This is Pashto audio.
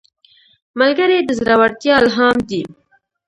ملګری د زړورتیا الهام دی